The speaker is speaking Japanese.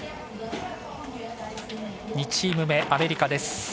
２チーム目、アメリカです。